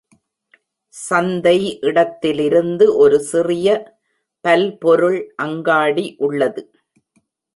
சந்தை இடத்திலிருந்து ஒரு சிறிய பல்பொருள் அங்காடி உள்ளது.